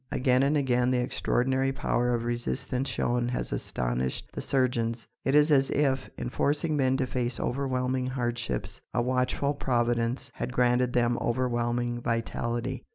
Again and again the extraordinary power of resistance shown has astonished the surgeons. It is as if, in forcing men to face overwhelming hardships, a watchful Providence had granted them overwhelming vitality.